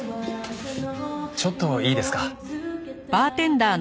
ちょっといいですか？